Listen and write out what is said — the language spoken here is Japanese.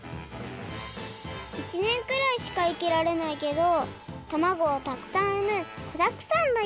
１年くらいしか生きられないけどたまごをたくさんうむこだくさんのいかだったよ。